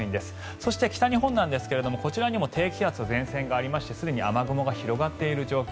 そして北日本ですがこちらにも低気圧の前線がありましてすでに雨雲が広がっている状況。